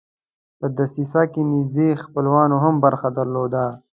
په دسیسه کې نیژدې خپلوانو هم برخه درلوده.